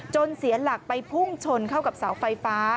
เสียหลักไปพุ่งชนเข้ากับเสาไฟฟ้า